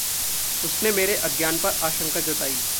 उसने मेरे अज्ञान पर आशंका जताई।